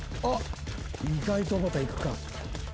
意外とおばた行くか。